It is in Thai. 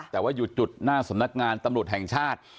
แต่ว่าอยู่จุดหน้าสำนักงานตำรวจแห่งชาติ